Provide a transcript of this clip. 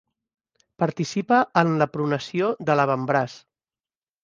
Participa en la pronació de l'avantbraç.